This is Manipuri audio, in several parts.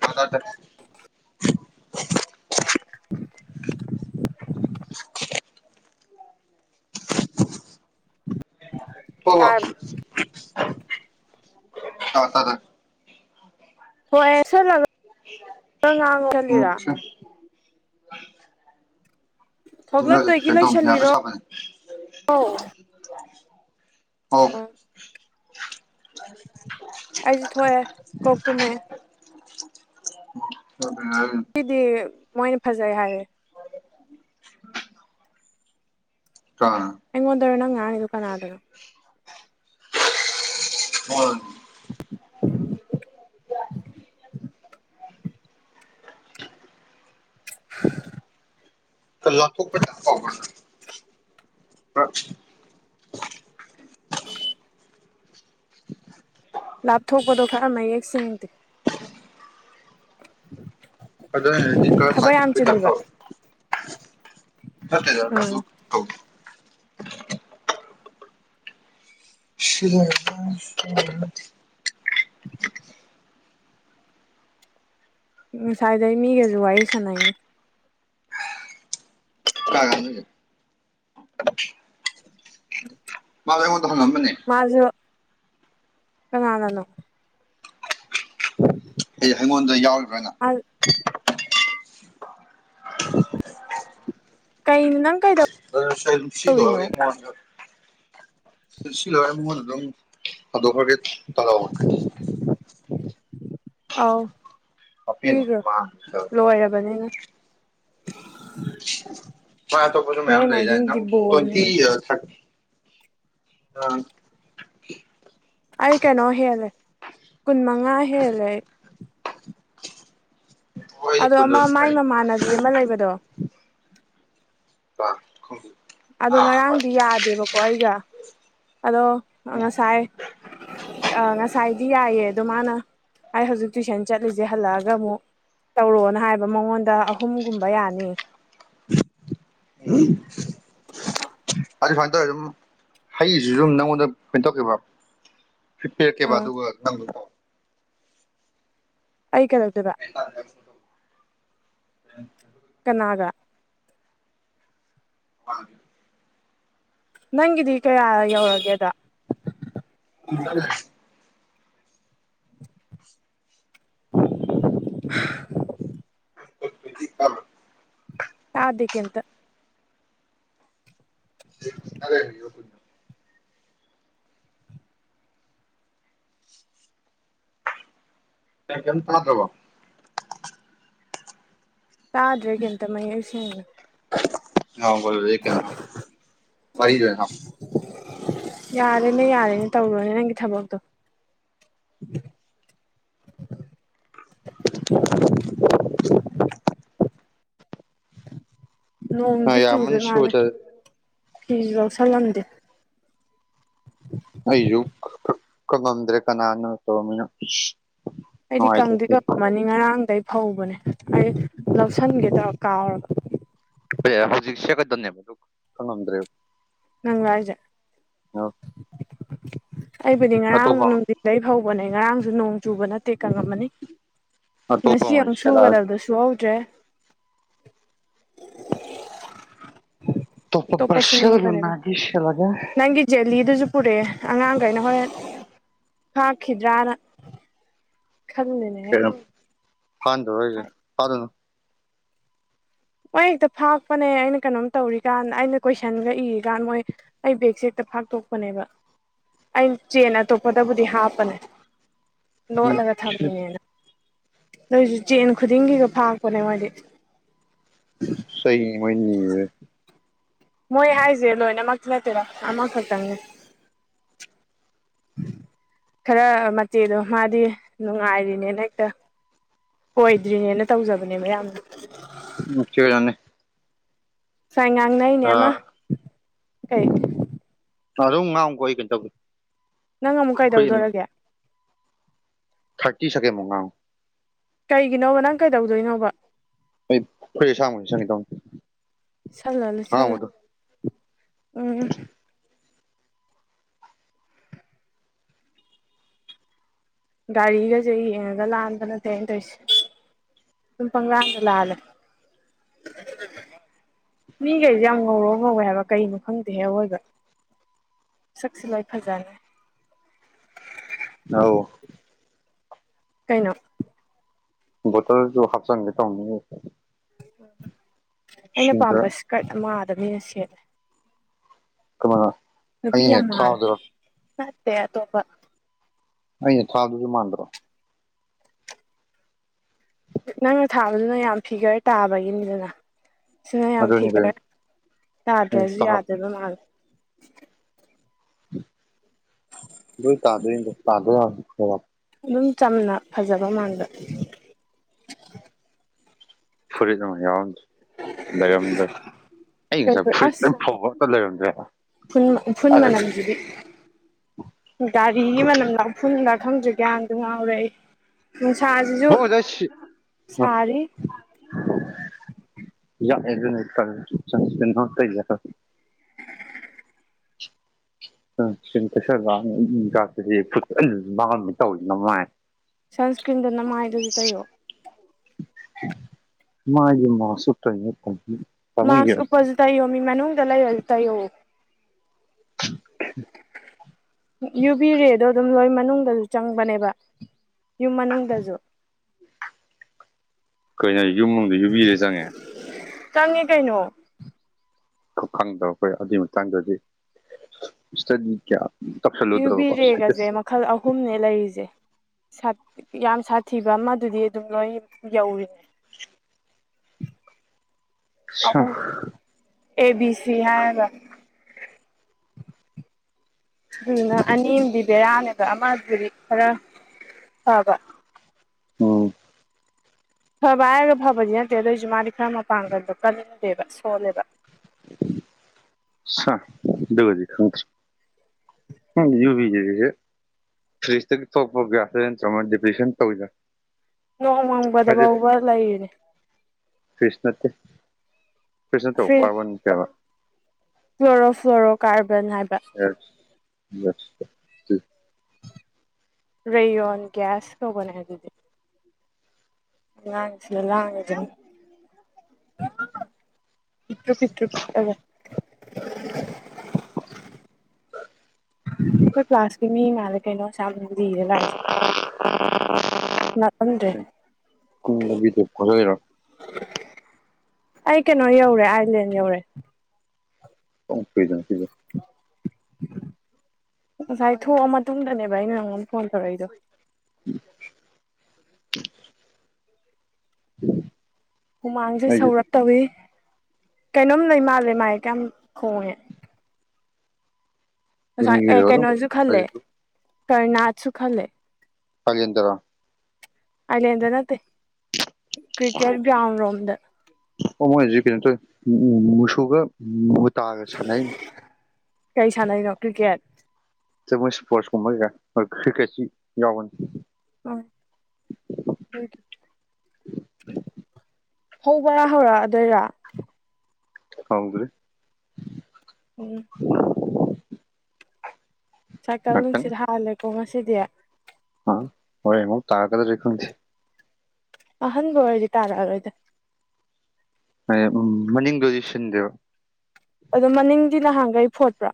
[unintelligible] [unintelligible] ꯇꯥꯔꯕ ꯍ [unintelligible] ꯑꯥ ꯇꯥꯗ꯫ ꯍꯣꯏ ꯁꯜꯂꯒꯥ [inaudible] ꯉꯥꯡꯉꯣ [inaudible] ꯑꯠꯁꯥ꯫ ꯊꯣꯛꯂꯛꯇꯣꯏꯒꯤ ꯀꯩꯅꯣ ꯌꯥꯕ꯭ꯔꯥ ꯂꯣꯏꯁꯤꯜꯂꯤꯔꯣ꯫ ꯁꯥꯕꯅꯦ ꯑꯧ꯫ [unintelligible] ꯑꯩꯁꯨ ꯊꯣꯛꯑꯦ ꯀꯣꯛ ꯇꯨꯃꯦ꯫ [unintelligible] ꯁꯤꯗꯤ ꯃꯣꯏꯅ ꯐꯖꯩ ꯍꯥꯏꯔꯦ꯫ ꯀꯅꯥꯅ? ꯑꯩꯉꯣꯟꯗꯔꯣ ꯅꯪ ꯉꯥꯡꯉꯤꯗꯣ ꯀꯅꯥꯗꯅꯣ? ꯍ [inaudible] [unintelligible] ꯂꯊꯣꯛꯄꯩ ꯇꯥꯏꯞ ꯇꯧꯒꯅꯤ꯫ ꯑꯥ꯫ ꯂꯥꯞꯊꯣꯛꯄꯗꯣ ꯈꯔ ꯃꯌꯦꯛ ꯁꯦꯡꯗꯦ꯫ ꯑꯗꯨꯅꯦ ꯑꯩ ꯍꯥꯏꯗꯤ ꯈꯔ ꯊꯕꯛ ꯌꯥꯝ ꯆꯥꯏꯊꯣꯛꯄꯒꯤ ꯇꯥꯏꯞ ꯆꯤꯜꯂꯤꯕ ꯇꯧꯋꯦ꯫ ꯅꯠꯇꯦꯗ ꯑꯗꯨ ꯎꯝ ꯇꯧꯗꯦ꯫ ꯁꯤ [unintelligible] ꯉꯁꯥꯏꯗꯩ ꯃꯤꯒꯖꯨ ꯋꯥꯔꯤ ꯁꯥꯟꯅꯩꯅꯦ꯫ ꯀꯅꯥꯒꯅꯣ ꯍꯥꯏꯖꯦ? ꯃꯥꯗꯣ ꯑꯩꯉꯣꯟꯗ ꯍꯥꯉꯛꯑꯝꯕꯅꯦ꯫ ꯃꯥꯖꯨ ꯀꯅꯥꯅꯅꯣ ꯑꯩ ꯍꯩꯉꯣꯟꯗ ꯌꯥꯎꯔꯤꯕ꯭ꯔꯣꯅ [unintelligible] ꯀꯩꯩꯅꯣ ꯅꯪ ꯀꯩꯗ ꯑꯗꯨ ꯁꯤ ꯇꯧꯔꯤꯅꯣ [unintelligible] ꯁꯤ‌‌ꯂꯣꯏꯔꯒ ꯃꯉꯧꯟꯗ‌‌ ꯑꯗꯨꯝ ꯊꯝꯗꯣꯛ ꯈꯔꯒꯦ ꯇꯧꯕꯅꯦ ꯑꯥꯎ ꯍꯥꯞꯄꯦꯟ ꯄꯤꯒꯔꯣ ꯃꯥꯡꯉꯦ ꯂꯣꯏꯔꯕꯅꯤꯅ [unintelligible] ꯃꯥ ꯑꯇꯣꯞꯄꯁꯨ ꯃꯌꯥꯝ ꯍꯣꯔꯦꯟ ꯂꯩꯖ ꯑꯍꯤꯡꯗꯤ ꯅꯪ ꯇ꯭ꯋꯦꯟꯇꯤ ꯕꯣꯜꯅꯤꯅꯦ ꯊꯥꯔꯇꯤ ꯑꯩ ꯀꯩꯅꯣ ꯍꯦꯜꯂꯦ ꯀꯨꯟ ꯃꯉꯥ ꯍꯦꯜꯂꯦ ꯑꯩ ꯍꯣꯏ ꯑꯗꯣ ꯀꯨꯟꯗ ꯑꯃ ꯑꯗꯨꯝ ꯃꯥꯏ ꯂꯩ ꯃꯃꯥꯟꯅꯕꯤ ꯑꯃ ꯂꯩꯕꯗꯣ ꯈꯪꯗꯦ ꯑꯗꯣ ꯑꯥ ꯉꯔꯥꯡꯗꯤ ꯌꯥꯗꯦꯕꯀꯣ ꯑꯩꯒ ꯑꯗꯣ ꯉꯁꯥꯏ ꯑ ꯉꯁꯥꯏꯗꯤ ꯌꯥꯏꯑ ꯑꯗꯣ ꯃꯥꯅ ꯑꯩ ꯍꯧꯖꯤꯛ ꯇꯨꯏꯁꯟ ꯆꯠꯂꯤꯁꯦ ꯍꯜꯂꯛꯑꯒ ꯑꯃꯨꯛ ꯇꯧꯔꯛꯑꯣꯅ ꯍꯥꯏꯕ ꯃꯉꯣꯟꯗ ꯑꯍꯨꯝꯒꯨꯝꯕ ꯌꯥꯅꯤ [unintelligible] ꯑꯗꯨ ꯁꯨꯃꯥꯏꯅ ꯇꯧꯔꯦ ꯑꯗꯨꯝ ꯍꯩꯁꯤꯁꯨ ꯑꯗꯨꯝ ꯅꯪꯉꯣꯟꯗ ꯄꯦꯟꯊꯣꯛꯈꯤꯕ ꯄꯤꯔꯛꯀꯦꯕ ꯑꯥ ꯑꯗꯨꯒ ꯅꯝꯃꯣ ꯑꯩ ꯀꯩꯗꯧꯗꯣꯏꯕ ꯀꯅꯥꯒ [unintelligible] ꯅꯪꯒꯤꯗꯤ ꯀꯌꯥ ꯌꯧꯔꯒꯦ ꯑꯗꯣ [unintelligible] [unintelligible] ꯁꯥꯗꯦ ꯀꯦꯝꯇ [unintelligible] ꯑꯇꯩ ꯀꯦꯝ ꯇꯥꯗꯔꯕꯣ ꯇꯥꯗ꯭ꯔꯦ ꯀꯦꯝꯇ ꯃꯌꯦꯛ ꯁꯦꯡꯅ ꯁꯥꯎꯒꯜꯂꯤ ꯀꯩꯅꯣ ꯄꯩꯗꯣꯏꯔꯣ ꯌꯥꯔꯦꯅꯦ ꯌꯥꯔꯦꯅꯦ ꯇꯧꯔꯣꯅꯦ ꯅꯪꯒꯤ ꯊꯕꯛꯇꯣ ꯑꯥ ꯅꯣꯡꯖꯨ ꯌꯥꯝꯃꯅꯤ ꯆꯨꯗꯣꯏ ꯃꯥꯜꯂꯦ ꯁꯨꯕꯗ ꯐꯤꯁꯨ ꯂꯧꯁꯜꯂꯝꯗꯦ [inaudible] ꯑꯩꯁꯨ ꯀꯪꯉꯝꯗ꯭ꯔꯦ ꯀꯅꯥꯅꯣ ꯇꯧꯔꯝꯃꯤꯅꯣ ꯑꯩꯗꯤ ꯀꯪꯗꯤ ꯀꯪꯉꯝꯃꯅꯤ ꯉꯔꯥꯡꯗꯩ ꯐꯧꯕꯅꯦ ꯑꯩ ꯂꯧꯁꯤꯟꯒꯦ ꯇꯧꯔ ꯀꯥꯎꯔꯕ ꯍꯧꯖꯤꯛ ꯁꯦ ꯈꯛꯇꯅꯦꯕ ꯀꯪꯉꯝꯗ꯭ꯔꯦ ꯅꯪꯂꯣ ꯍꯥꯏꯖꯦ [unintelligible] ꯑꯩꯕꯨꯗꯤ ꯉꯔꯥꯡ ꯑꯇꯣꯞꯄ ꯅꯨꯡꯊꯤꯗꯩ ꯐꯧꯕꯅꯦ ꯉꯔꯥꯡꯁꯨ ꯅꯣꯡ ꯆꯨꯕ ꯅꯠꯇꯦ ꯀꯪꯉꯝꯃꯅꯤ ꯑꯇꯣꯞꯄ ꯉꯁꯤ ꯑꯃ ꯑꯣꯏꯅ ꯑꯃꯨꯛ ꯁꯦꯠꯂꯛꯑꯒꯦ ꯁꯨꯒꯗꯕꯗꯨꯁꯨ ꯁꯨꯍꯧꯗ꯭ꯔꯦ ꯇꯣꯞꯄ ꯑꯇꯣꯞꯄ ꯄꯔꯁꯦꯜ ꯁꯨꯅꯤꯡꯕꯅꯦꯕ ꯂꯨꯅꯒꯤ ꯁꯦꯜꯂꯒꯦ ꯅꯪꯒꯤ ꯖꯦꯂꯤꯗꯨꯁꯨ ꯄꯨꯔꯛꯑꯦ ꯑꯉꯥꯡꯈꯩꯅ ꯍꯣꯔꯦꯟ ꯐꯥꯛꯈꯤꯗ꯭ꯔꯥꯅ ꯈꯟꯂꯤꯅꯦ [unintelligible] ꯃꯣꯏ ꯍꯦꯛꯇ ꯐꯥꯛꯄꯅꯦ ꯑꯩꯅ ꯀꯩꯅꯣꯝ ꯇꯧꯔꯤꯀꯥꯟ ꯑꯩꯅ ꯀꯣꯏꯁꯟꯒ ꯏꯔꯤꯀꯥꯟ ꯃꯣꯏ ꯑꯩ ꯕꯦꯒꯁꯦ ꯍꯦꯛꯇ ꯐꯥꯛꯇꯣꯛꯄꯅꯦꯕ ꯑꯩꯅ ꯆꯦꯟ ꯑꯇꯣꯞꯄꯗꯕꯨꯗꯤ ꯍꯥꯞꯄꯅꯦ꯫ ꯂꯣꯠꯂꯒ ꯊꯝꯃꯤꯅꯦꯅ ꯑꯗꯣꯏꯁꯨ ꯆꯦꯟ ꯈꯨꯗꯤꯡꯒꯤꯒ ꯐꯥꯛꯄꯅꯦ ꯃꯣꯏꯗꯤ꯫ ꯆꯩꯅꯦ ꯃꯣꯏꯅ ꯅꯤꯔꯤꯗꯨ ꯃꯣꯏ ꯍꯥꯏꯖꯦ ꯂꯣꯏꯅꯃꯛꯇꯤ ꯅꯠꯇꯦꯗ ꯑꯃ ꯈꯛꯇꯪꯅꯦ꯫ ꯈꯔ ꯃꯆꯦꯗꯣ ꯃꯥꯗꯤ ꯅꯨꯡꯉꯥꯏꯔꯤꯅꯦꯅ ꯍꯦꯛꯇ ꯀꯣꯏꯗ꯭ꯔꯤꯅꯦꯅ ꯇꯧꯖꯕꯅꯦꯕ ꯌꯥꯝꯅ꯫ [unintelligible] ꯉꯁꯥꯏ ꯉꯥꯡꯅꯩꯅꯦ ꯑꯃ ꯀꯩ ꯑꯗꯨꯝ ꯉꯥꯡꯉꯨꯀꯣ ꯑꯩ ꯀꯩꯅꯣ ꯇꯧꯒꯦ꯫ ꯅꯪ ꯑꯃꯨꯛ ꯐꯨꯔꯤꯠ ꯀꯩꯗꯧꯗꯧꯔꯒꯦ? ꯊꯥꯔꯇꯤ ꯁꯀꯦꯟ ꯕꯥꯎ ꯉꯥꯡꯉꯣ꯫ ꯀꯩꯒꯤꯅꯣꯕ ꯅꯪ ꯀꯩꯗꯧꯗꯣꯏꯅꯣꯕ? ꯑꯩ ꯐꯨꯔꯤꯠ ꯑꯁꯥꯡꯕ ꯂꯤꯁꯟꯒꯦ ꯇꯧꯅꯦ꯫ ꯂꯤꯁꯜꯂꯣ-ꯂꯤꯁꯜꯂꯣ ꯎꯝ꯫ ꯒꯥꯔꯤꯒꯁꯦ ꯌꯦꯡꯉꯒ ꯂꯥꯟꯕ ꯅꯠꯇꯦ ꯑꯩꯅ ꯇꯧꯔꯤꯁꯦ꯫ ꯑꯗꯨꯝ ꯄꯪꯂꯥꯟꯗ ꯂꯥꯜꯂꯦ꯫ ꯃꯤꯒꯩꯁꯦ ꯌꯥꯝ ꯉꯧꯔꯣꯛ ꯉꯧꯋꯦ ꯍꯥꯏꯕ ꯀꯩꯅꯣ ꯈꯪꯗꯦꯍꯦ ꯑꯋꯣꯏꯕ꯫ ꯁꯛꯁꯤ ꯂꯣꯏ ꯐꯖꯅꯩ꯫ ꯑꯧ ꯀꯩꯅꯣ? ꯕꯣꯇꯜꯁꯨ ꯍꯥꯞꯆꯪꯒꯦ ꯇꯧꯅꯦ ꯕꯦꯛꯇ꯫ ꯑꯩꯅ ꯈꯔ ꯄꯥꯝꯕ ꯏꯁꯀ꯭ꯔꯠ ꯑꯃ ꯑꯥꯗ ꯃꯤꯅ ꯁꯦꯠꯂꯦ꯫ ꯀꯅꯥꯅ? ꯅꯨꯄꯤ ꯌꯥꯝ ꯃꯥꯜꯂꯦ ꯅꯠꯇꯦ ꯑꯇꯣꯞꯄ ꯑꯩꯅ ꯊꯥꯕꯗꯨꯁꯨ ꯃꯥꯟꯗ꯭ꯔꯣ? ꯅꯪꯅ ꯊꯥꯕꯗꯨꯅ ꯌꯥꯝ ꯐꯤꯒꯔ ꯇꯥꯕꯒꯤꯅꯤꯗꯅ꯫ ꯁꯤꯅ ꯌꯥꯝ ꯑꯗꯨꯅꯤ ꯐꯤꯒꯔ ꯇꯥꯗ꯭ꯔꯁꯨ ꯀꯩꯅꯣ ꯌꯥꯗꯣꯏꯕ ꯃꯥꯜꯂꯦ꯫ ꯂꯣꯏ ꯇꯥꯗꯣꯏꯅꯤꯗ ꯇꯥꯗ [unintelligible] ꯑꯗꯨꯝ ꯆꯝꯅ ꯐꯖꯕ ꯃꯥꯟꯕ꯫ ꯐꯨꯔꯤꯠ ꯑꯃ ꯌꯥꯎꯔꯝꯗ꯭ꯔꯦ ꯂꯩꯔꯝꯗ꯭ꯔꯦ ꯑꯩ ꯉꯁꯥꯏ ꯐꯨꯔꯤꯠ ꯑꯗꯨꯝ ꯐꯧꯕ ꯇ ꯂꯩꯔꯝꯗ꯭ꯔꯦ꯫ ꯐꯨꯟ ꯎꯐꯨꯟ ꯃꯅꯝꯖꯤꯗꯤ꯫ ꯒꯥꯔꯤꯒꯤ ꯃꯅꯝꯂ ꯎꯐꯨꯟꯂ ꯈꯪꯗ꯭ꯔꯦ ꯒꯌ꯭ꯥꯟꯁꯨ ꯉꯥꯎꯔꯦ ꯑꯩ꯫ ꯅꯨꯡꯁꯥꯖꯤꯖꯨ ꯕꯣ ꯑꯣꯖꯥ ꯁꯤ ꯁꯥꯔꯤ꯫ ꯌꯥꯛꯑꯦ ꯑꯗꯨꯅ ꯇꯜꯂꯦ ꯁꯟꯁꯀ꯭ꯔꯤꯟ [unintelligible] ꯁꯟꯁꯀꯔ꯭ꯤꯟ ꯇꯩꯁꯜ ꯂꯥꯛ ꯏ ꯀꯥꯔꯛꯇꯨꯗꯤ [unintelligible] ꯅꯃꯥꯏ ꯁꯟꯁꯀ꯭ꯔꯤꯟꯗꯣ ꯅꯃꯥꯏꯗꯖꯨ ꯇꯩꯑꯣ꯫ ꯃꯥꯏꯗꯤ ꯃꯥꯁ ꯎꯞꯇꯣꯏꯅꯤꯅ ꯐꯩ [unintelligible] ꯃꯥꯁ ꯎꯞꯄꯖꯨ ꯇꯩꯌꯣꯃꯤ ꯃꯅꯨꯡꯗ ꯂꯩꯔꯖꯨ ꯇꯩꯌꯣ꯫ [inaudible] ꯌꯨ ꯕꯤ ꯔꯦꯗꯣ ꯑꯗꯨꯝ ꯂꯣꯏ ꯃꯅꯨꯡꯗꯖꯨ ꯆꯪꯕꯅꯦꯕ ꯌꯨꯝ ꯃꯅꯨꯡꯗꯖꯨ꯫ ꯀꯩꯅꯣ ꯍꯥꯏꯁꯤ ꯌꯨꯝ ꯃꯅꯨꯡꯗ ꯌꯨ ꯕꯤ ꯔꯦ ꯆꯪꯉꯦ ꯆꯪꯉꯦ ꯀꯩꯅꯣ ꯈꯪꯗꯕ ꯑꯩꯈꯣꯏ ꯑꯗꯨꯏ ꯃꯇꯥꯡꯗꯗꯤ ꯏꯁꯇꯗꯤ ꯀꯌ꯭ꯥ ꯇꯧꯁꯤꯜꯂꯨꯗꯔ꯭ꯕꯀꯣ ꯁꯥꯏꯇꯤꯁ- ꯈꯜ ꯑꯍꯨꯝꯅꯦ ꯂꯩꯔꯤꯖꯦ ꯁꯟ ꯌꯥꯝ ꯁꯥꯊꯤꯕ ꯑꯃꯗꯨꯗꯤ ꯑꯗꯨꯝ ꯂꯣꯏꯟ ꯌꯧꯔꯤꯅꯦ ꯑꯍꯨꯝ ꯑꯦ ꯕꯤ ꯁꯤ ꯍꯥꯏꫪꯒ ꯑꯗꯨꯗꯨꯅ ꯑꯅꯤꯌꯝꯗꯤ ꯕꯦꯔꯥꯅꯦꯕꯥ ꯑꯃꯗꯨꯗꯤ ꯈꯔ ꯐꯕ ꯑꯣ ꯐꯕ ꯍꯥꯏꯔꯒ ꯐꯕꯗꯤ ꯅꯠꯇꯦ ꯑꯗꯣꯏꯖꯨ ꯃꯥꯗꯤ ꯈꯔ ꯃꯄꯥꯡꯒꯜꯗꯣ ꯀꯟꯗꯦꯕ ꯁꯣꯜꯂꯦꯕ ꯁꯥ ꯑꯗꯨꯕꯨꯗꯤ ꯈꯪꯗꯔ꯭ꯤ [unintelligible] ꯐ꯭ꯔꯤꯁꯇ [unintelligible] ꯗꯤꯄ꯭ꯔꯦꯁꯟ ꯇꯧ [unintelligible] ꯅꯣꯡ ꯃꯪꯕꯗꯕꯧꯕ ꯂꯩꯔꯤꯅꯤ ꯐꯔ꯭ꯤꯁ ꯅꯠꯇꯦ ꯐꯔ꯭ꯤꯁ ꯅꯠꯇꯔ꯭ꯑꯣ ꯀꯥꯔꯕꯣꯟ [unintelligible] ꯀꯂꯣꯔꯣꯐꯂꯣꯔꯣ ꯀꯥꯔꯕꯟ ꯍꯥꯏꯕ [unintelligible] ꯔꯩꯌꯣꯟ ꯒ꯭ꯌꯥꯁ ꯀꯧꯕꯅꯦ ꯑꯗꯨꯗꯤ ꯑꯉꯥꯡꯁꯤꯒ ꯂꯥꯡꯉꯤꯖꯤꯌꯣꯡ ꯄꯤꯛꯇ꯭ꯔꯨ-ꯄꯤꯛꯇ꯭ꯔꯨ ꯄꯤꯛꯑꯒ ꯑꯩꯈꯣꯏ ꯀ꯭ꯂꯥꯁꯀꯤ ꯃꯤ ꯃꯥꯜꯂꯦ ꯀꯩꯅꯣ ꯑꯁꯌ꯭ꯥꯝ ꯂꯤꯔ ꯂꯥꯛ- [inaudible] ꯅꯥꯠꯂꯝꯗꯔ꯭ꯦ ꯑꯩ ꯀꯅꯣ ꯌꯧꯔꯦ ꯑꯥꯏꯂꯦꯟ ꯌꯧꯔꯦ ꯊꯣꯡ ꯊꯨꯏꯗ ꯉꯁꯤꯗꯤ ꯉꯁꯥꯏ ꯊꯣꯛꯑ ꯃꯇꯨꯡꯗꯅꯦꯕ ꯑꯩꯅ ꯅꯪꯉꯣꯟ ꯐꯣꯟ ꯇꯧꯔꯛꯏꯗꯣ [inaudible] ꯍꯨꯃꯥꯡꯖꯦ ꯁꯧꯔꯞ ꯇꯧꯏ- ꯀꯩꯅꯣꯝ ꯂꯩ ꯃꯥꯜꯂꯦ ꯃꯥꯏꯀ ꯌꯥꯝ ꯈꯣꯡꯉꯦ ꯉꯁꯥꯏ ꯑꯦ ꯀꯩꯅꯣꯖꯨ ꯈꯜꯂꯦ ꯀꫪꯅꯥꯠꯁꯨ ꯈꯜꯂꯦ ꯑꯥꯥꯏꯂꯦꯟꯗꯔꯣ ꯑꯥꯏꯂꯦꯟꯗ ꯅꯠꯇꯦ ꯀ꯭ꯔꯤꯀꯦꯠ ꯒ꯭ꯔꯥꯎꯟ ꯔꯣꯝꯗ ꯑꯣ ꯃꯣꯏ ꯍꯧꯖꯤ ꯀꯩꯅꯤ ꯇꯧꯏ ꯃꯨꯁꯨꯒ ꯃꯣꯇꯥꯒ ꯁꯥꯅꯩꯝ ꯀꯩ ꯁꯥꯟꯅꯩꯅꯣ ꯀ꯭ꯔꯤꯀꯦꯠ ꯃꯣꯏ ꯏꯁꯄꯣꯔꯠꯁ [unintelligible] ꯌꯥꯎꯕꯅꯤ ꯎꯝ ꯗꯨꯒꯤ ꯍꯧꯕꯔ ꯍꯧꯔꯛꯑꯗꯣꯏꯔꯥ [unintelligible] ꯎꯝ ꯁꯥꯏꯀꯜ ꯉꯥꯛꯇꯪ ꯅꯨꯡꯁꯤꯠ ꯍꯥꯜꯂꯦꯀꯣ ꯉꯁꯤꯗꯤ ꯍꯥ ꯍꯣꯔꯦꯜ ꯑꯃꯨꯛ ꯇꯥꫪꯛꯀꯗꯔ꯭ꯗꯤ ꯈꯪꯗꯦ ꯑꯍꯟꯕ ꯑꯣꯏꯔꯗꯤ ꯇꯥꯔꯛꯑꯔꯣꯏꯗ ꯍꯣꯏ ꯎꯝ ꯃꯅꯤꯡꯗꯨꯗꯤ ꯁꯤꯟꯕꯤꯔꯣ ꯑꯗꯣ ꯃꯅꯤꯡꯗꯤ ꯅꯍꯥꯟꯈꯩ ꯐꯣꯠꯄ꯭ꯔꯣ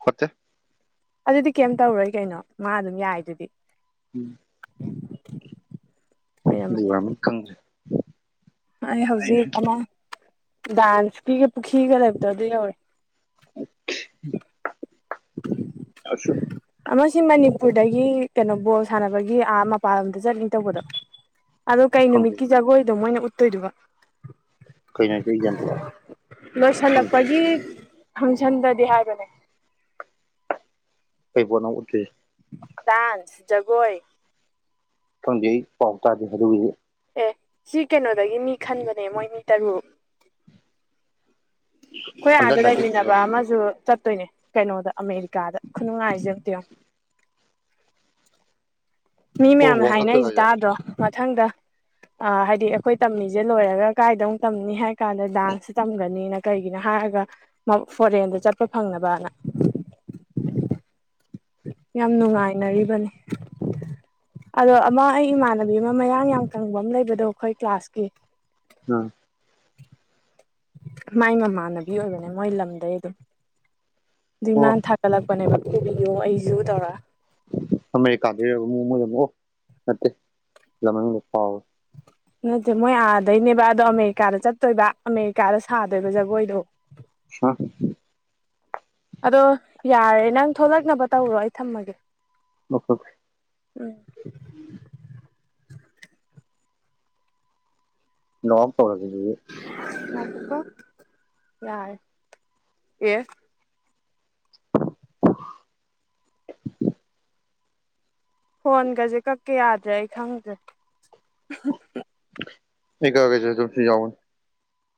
ꯐꯣꯠꯇꯦ ꯑꯗꯨꯗꯤ ꯀꯩꯝ ꯇꯧꯔꯣꯏ ꯀꯩꯅꯣ ꯃꯥ ꯑꯗꯨꯝ ꯌꯥꯏꯗꯨꯗꯤ [inaudible] ꯕꯤ ꯑꯣꯏꯔꯝꯃꯅꯤ ꯑꯣꯏꯔꯝꯅꯤ ꯈꯪꯗ꯭ꯔꯦ ꯑꯩ ꯍꯧꯖꯤꯛ ꯑꯃ ꯗꯥꯟꯁꯀꯤꯒ ꯄꯨꯈ꯭ꯔꯤꯒ ꯂꯩꯕꯗꯣ ꯑꯗꯣ ꯌꯧꯔꯦ [inaudible] ꯑꯁꯨ ꯑꯃ ꯁꯤ ꯃꯅꯤꯄꯨꯔꯗꯒꯤ ꯀꯩꯅꯣ ꯕꯣꯜ ꯁꯥꯟꯅꯕꯒꯤ ꯑꯥ ꯃꯄꯥꯅꯂꯝꯗ ꯆꯠꯅꯤ ꯇꯧꯕꯗꯣ ꯑꯗꯣ ꯀꯩ ꯈꯪꯗꯦ ꯅꯨꯃꯤꯠꯀꯤ ꯖꯒꯣꯏꯗꯣ ꯃꯣꯏꯅ ꯎꯠꯇꯣꯏꯗꯨꯕꯣ ꯀꯩꯅꯣ ꯍꯥꯏꯁꯦ ꯑꯩ ꯒ꯭ꯌꯥꯟ ꯇꯥ ꯈꯪꯗꯦ ꯂꯣꯏꯁꯜꯂꯛꯄꯒꯤ ꯐꯪꯁꯟꯗꯗꯤ ꯍꯥꯏꯕꯅꯦ ꯀꯩꯄꯣꯠꯅꯣꯕ ꯎꯠꯇꯣꯏꯁꯦ ꯗꯥꯥꯟꯁ ꯖꯒꯣꯏ ꯈꯪꯗꯦ ꯑꯩ ꯄꯥꯎ ꯇꯥꯗꯦ ꯑꯗꯨꯒꯤꯗꯤ ꯑꯦ ꯁꯤ ꯀꯩꯅꯣꯗꯒꯤ ꯃꯤ ꯈꯟꯕꯅꯦ ꯃꯣꯏ ꯃꯤ ꯇꯔꯨꯛ ꯈꯣꯏ ꯑꯟꯗꯔ ꯑꯥꯗ ꯅꯥꯏꯟꯇꯤꯟꯒꯤꯔꯣ ꯂꯩꯃꯤꯟꯅꯕ ꯑꯃꯁꯨ ꯆꯠꯇꯣꯏꯅꯦ ꯀꯩꯅꯣꯗ ꯑꯃꯦꯔꯤꯀꯥꯗ ꯈꯨꯅꯨꯡꯉꯥꯏꯖꯦ ꯑꯝꯇ ꯌꯦꯡꯉꯣ ꯃꯤ ꯑꯣ ꯃꯌꯥꯝꯅ ꯋꯥꯔꯜ ꯀꯞꯇꯔꯣ ꯍꯥꯏꯅꯩꯁꯦ ꯍꯥꯏꯁꯦ ꯇꯥꯗ꯭ꯔꯣ ꯃꯊꯪꯗ ꯑꯥ ꯍꯥꯏꯗꯤ ꯑꯩꯈꯣꯏ ꯇꯝꯃꯤꯖꯦ ꯂꯣꯏꯔꯒ ꯀꯥꯏꯗ ꯑꯃꯨꯛ ꯇꯝꯅꯤ ꯍꯥꯏ ꯀꯥꯟꯗ ꯗꯥꯟꯁ ꯇꯝꯒꯅꯤꯅ ꯀꯩꯒꯤꯅꯣ ꯍꯥꯏꯔꯒ ꯐꯣꯔꯦꯟꯗ ꯆꯠꯄ ꯐꯪꯅꯕꯅ ꯌꯥꯝ ꯅꯨꯡꯉꯥꯏꯅꯔꯤꯕꯅꯤ ꯑꯗꯣ ꯑꯃ ꯑꯩ ꯏꯃꯥꯟꯅꯕꯤ ꯑꯃ ꯃꯌꯥꯡ ꯌꯥꯝ ꯀꯪꯕ ꯑꯃ ꯂꯩꯕꯗꯣ ꯑꯈꯣꯏ ꯀ꯭ꯂꯥꯁꯀꯤ ꯎꯝ ꯃꯥꯏ ꯃꯃꯥꯟꯅꯕꯤ ꯑꯣꯏꯕꯅꯦ ꯃꯣꯏ ꯂꯝꯗꯩ ꯑꯗꯨꯝ ꯑꯗꯨꯏ ꯑꯣ ꯃꯅ ꯊ ꯂꯛꯄꯅꯦꯕ ꯄꯨꯕꯤꯌꯣ ꯑꯩꯁꯨ ꯇꯧꯔꯒ ꯑꯃꯦꯔꯤꯀꯥꯗꯩꯔꯕ ꯃꯣꯏ ꯌꯨꯝ ꯑꯣ ꯅꯠꯇꯦ ꯂꯝ ꯃꯃꯤꯡꯗꯣ ꯀꯥꯎꯔꯦ ꯅꯠꯇꯦ ꯃꯣꯏ ꯑꯥꯗꯩꯅꯦꯕ ꯑꯗꯣ ꯑꯃꯦꯔꯤꯀꯥꯗ ꯆꯠꯇꯣꯏꯕ ꯑꯃꯦꯔꯤꯀꯥꯗ ꯁꯥꯗꯣꯏꯕ ꯖꯒꯣꯏꯗꯣ [unintelligible] ꯑꯗꯣ ꯌꯥꯔꯦ ꯅꯪ ꯊꯣꯛꯂꯛꯅꯕ ꯇꯧꯔꯣ ꯑꯩ ꯊꯝꯃꯒꯦ ꯅꯣ [unintelligible] ꯎꯝ [unintelligible] ꯅꯣꯑꯥꯎꯠ ꯇꯧꯔꯒꯦ ꯑꯁꯦꯗꯤ ꯉꯥꯏꯈꯣꯀꯣ ꯌꯥꯔꯦ ꯑꯦ ꯐꯣꯟꯒꯁꯦ ꯀꯛꯀꯦ ꯌꯥꯗ꯭ꯔꯦ ꯑꯩ ꯈꯪꯗ꯭ꯔꯦ ꯑꯩ ꯀꯛꯑꯒꯦꯁꯦ ꯑꯗꯨꯝꯁꯤ ꯌꯥꯑꯣꯕꯅꯤ